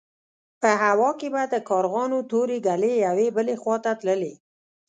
په هوا کې به د کارغانو تورې ګلې يوې بلې خوا ته تللې.